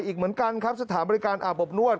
อีกเหมือนกันครับสถานบริการอาบอบนวด